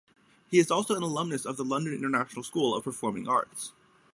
He also is an alumnus of the London International School of Performing Arts.